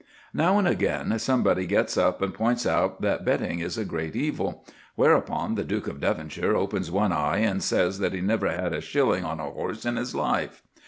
Now and again somebody gets up and points out that betting is a great evil; whereupon the Duke of Devonshire opens one eye and says that he never had a shilling on a horse in his life.